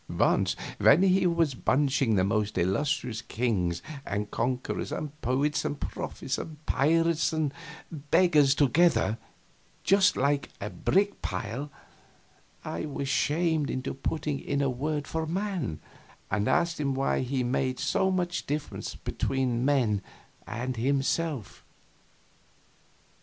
Once when he was bunching the most illustrious kings and conquerors and poets and prophets and pirates and beggars together just a brick pile I was shamed into putting in a word for man, and asked him why he made so much difference between men and himself.